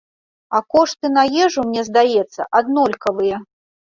А кошты на ежу, мне здаецца, аднолькавыя.